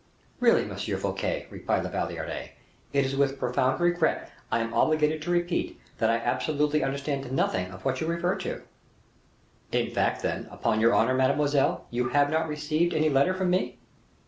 "Really, Monsieur Fouquet," replied La Valliere, "it is with profound regret I am obliged to repeat that I absolutely understand nothing of what you refer to." "In fact, then, upon your honor, mademoiselle, you have not received any letter from me?"